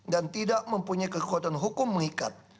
dan tidak mempunyai kekuatan hukum mengikat